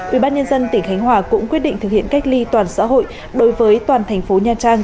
ubnd tỉnh khánh hòa cũng quyết định thực hiện cách ly toàn xã hội đối với toàn thành phố nha trang